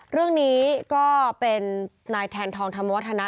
เรื่องนี้ก็เป็นนายแทนทองธรรมวัฒนะ